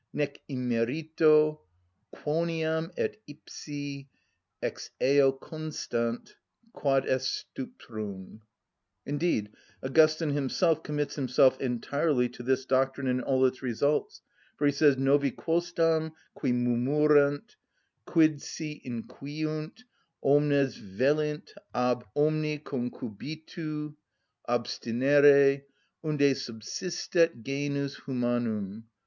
Nec immerito: quoniam et ipsœ ex eo constant, quod est stuprum_" (De exhort. castit., c. 9). Indeed, Augustine himself commits himself entirely to this doctrine and all its results, for he says: "_Novi quosdam, qui murmurent: quid, si, inquiunt, omnes velint ab omni concubitu abstinere, unde subsistet genus humanum?